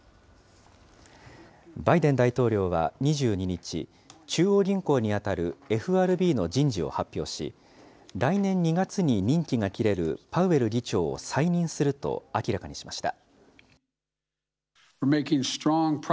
バイデン大統領は２２日、中央銀行に当たるＦＲＢの人事を発表し、来年２月に任期が切れるパウエル議長を再任すると明らかにしました。